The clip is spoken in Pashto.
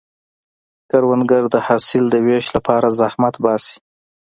کروندګر د حاصل د ویش لپاره زحمت باسي